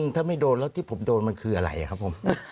ถ้าไม่โดนแล้วที่ผมโดนมันคืออะไรครับผม